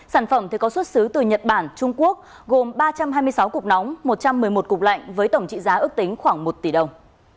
sản phẩm có xuất xứ từ nhật bản trung quốc gồm ba trăm hai mươi sáu cục nóng một trăm một mươi một cục lạnh với tổng trị giá ước tính khoảng một tỷ đồng